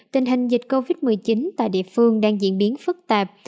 tình hình dịch covid một mươi chín tại địa phương đang diễn biến phức tạp